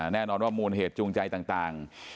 แน่นอนว่ามูลเหตุจูงใจต่าง